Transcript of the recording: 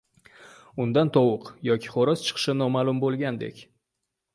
undan tovuq yoki xo‘roz chiqishi noma’lum bo‘lganidek.